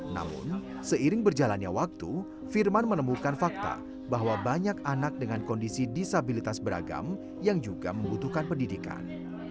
namun seiring berjalannya waktu firman menemukan fakta bahwa banyak anak dengan kondisi disabilitas beragam yang juga membutuhkan pendidikan